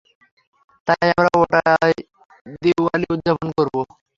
তাই আমরা ওটায় দিওয়ালি উদযাপন করবো।